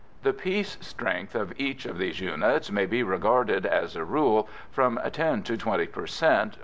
The peace strength of each of these units may be regarded, as a rule, as from 10 to 20 per cent.